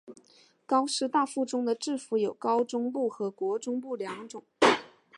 高师大附中的制服有高中部和国中部两种。